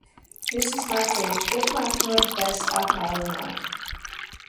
Visas mācības turpmāk noritēs attālināti.